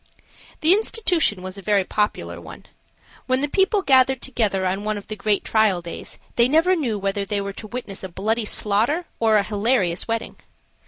The institution was a very popular one. When the people gathered together on one of the great trial days, they never knew whether they were to witness a bloody slaughter or a hilarious wedding.